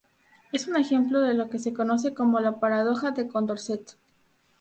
Es un ejemplo de lo que se conoce como la paradoja de Condorcet.